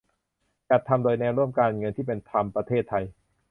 จัดทำโดย แนวร่วมการเงินที่เป็นธรรมประเทศไทย